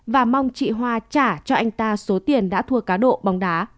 và mong chị hoa trả cho anh ta số tiền đã thua cá độ bóng đá